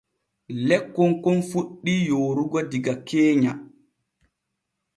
Lekkon kon fuɗɗi yoorugo diga keenya.